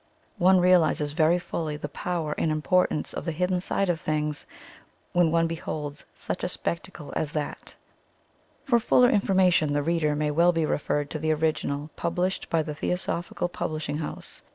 One realizes very fully the power and impor tance of the hidden side of things when one beholds such a spectacle as that. '' For fuller information the reader may well be referred to the original, published by the Theosophical Publishing House.